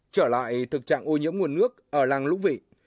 trở lại thực trạng ô nhiễm nguồn nước ở làng lũ vị